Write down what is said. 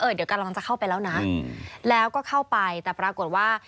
เดี๋ยวกำลังจะเข้าไปแล้วนะแล้วก็เข้าไปแต่ปรากฏว่า